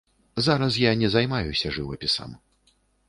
Зараз я не займаюся жывапісам.